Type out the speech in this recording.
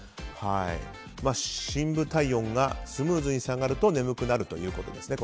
深部体温がスムーズに下がると眠くなるということですね。